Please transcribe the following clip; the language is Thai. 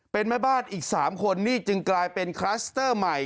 เป็นแม่บ้านอีก๓คนนี่จึงกลายเป็นคลัสเตอร์ใหม่